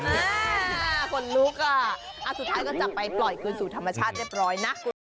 มาเลยไอ้น้องคนลุกอ่ะสุดท้ายก็จับไปปล่อยคืนสู่ธรรมชาติเรียบร้อยนะ